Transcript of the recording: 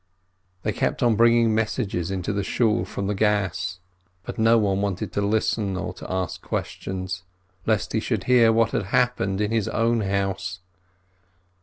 They kept on bringing messages into the Shool from the Gass, but nobody wanted to listen or to ask questions, lest he should hear what had happened in his own house.